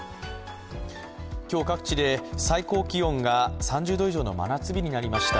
今日各地で最高気温が３０度以上の真夏日になりました。